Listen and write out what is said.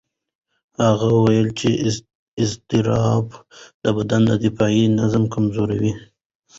هغه وویل چې اضطراب د بدن دفاعي نظام کمزوي.